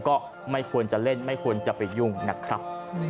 ก็ไม่ควรจะเล่นไม่ควรจะไปยุ่งนะครับ